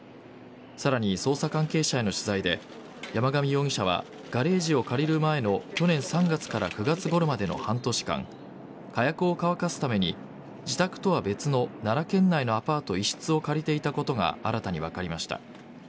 さらに、捜査関係者への取材で山上容疑者はガレージを借りる前の去年３月から９月ごろまでの半年間火薬を乾かすために自宅とは別の奈良県内のアパート一室を借りていたことが新たに分かりました。